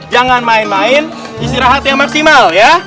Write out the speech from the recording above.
jangan main main istirahat yang maksimal ya